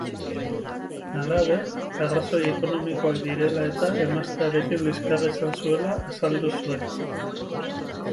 Halaber, arrazoi ekonomiak direla-eta emaztearekin liskarra izan zuela azaldu zuen.